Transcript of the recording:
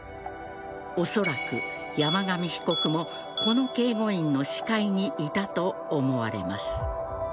おそらく山上被告もこの警護員の視界にいたと思われます。